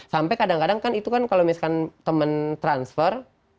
sampai kadang kadang kan itu kan kalau misalkan teman transfer